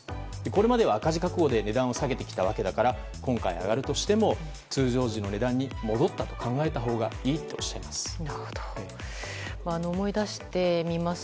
これまでは赤字覚悟で値段を下げてきたわけだから今回上がるとしても通常時の値段に戻ったと考えたほうがいいとおっしゃいます。